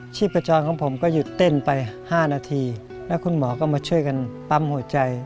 ชีพจรของผมก็หยุดเต้นไป๕นาทีแล้วคุณหมอก็มาช่วยกันปั๊มหัวใจ